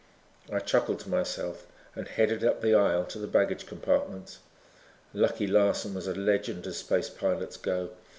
I chuckled to myself and headed up the aisle to the baggage compartments. Lucky Larson was a legend as space pilots go.